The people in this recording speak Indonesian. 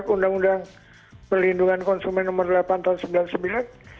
undang undang perlindungan konsumen nomor delapan tahun seribu sembilan ratus sembilan puluh sembilan